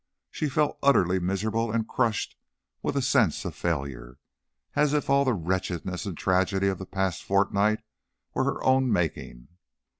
She felt utterly miserable, and crushed with a sense of failure; as if all the wretchedness and tragedy of the past fortnight were her own making.